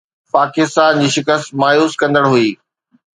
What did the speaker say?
پاڪستان جي شڪست مايوس ڪندڙ هئي